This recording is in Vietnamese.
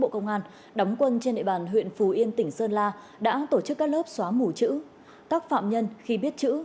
công an xã hòa tiến huyện hòa vang luôn chủ động nắm mắt tình hình